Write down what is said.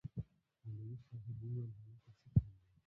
مولوي صاحب وويل هلکه سه چل دې.